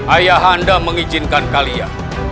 ayah anda mengizinkan kalian